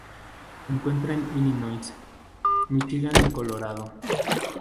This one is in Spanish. Se encuentra en Illinois, Michigan y Colorado.